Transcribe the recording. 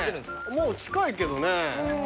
もう近いけどね。